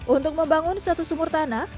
untuk membangun satu sumur tanah